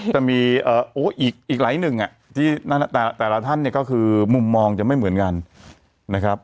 จะมีอีกหลายหนึ่งที่แต่ละท่านเนี่ยก็คือมุมมองจะไม่เหมือนกันนะครับ